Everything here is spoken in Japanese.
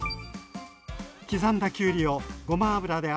刻んだきゅうりをごま油であえ